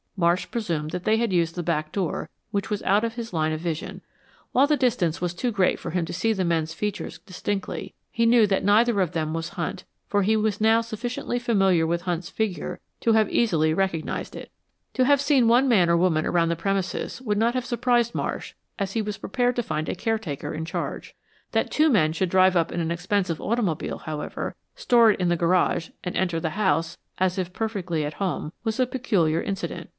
Marsh presumed that they had used the back door, which was out of his line of vision. While the distance was too great for him to see the men's features distinctly, he knew that neither of them was Hunt, for he was now sufficiently familiar with Hunt's figure to have easily recognized it. To have seen one man or woman around the premises would not have surprised Marsh, as he was prepared to find a caretaker in charge. That two men should drive up in an expensive automobile, however, store it in the garage, and enter the house, as if perfectly at home, was a peculiar incident.